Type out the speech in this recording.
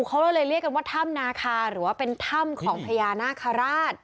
เขาเลยเรียกกันว่าถ้ำนาคาหรือว่าเป็นถ้ำของพญานาคาราช